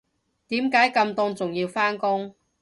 點解咁凍仲要返工